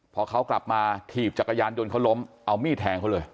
พอเขากลับมาถีบจักรยานยนต์เขาล้มเอามีดแทงเขาเลย